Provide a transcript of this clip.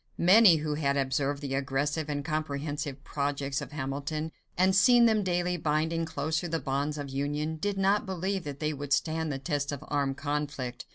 Many who had observed the aggressive and comprehensive projects of Hamilton, and seen them daily binding closer the bonds of union, did not believe that they would stand the test of armed conflict.